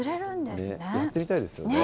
やってみたいですよね。